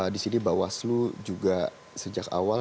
di sini bawaslu juga sejak awal